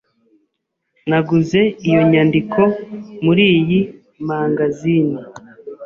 Naguze iyo nyandiko muriyi mangazini.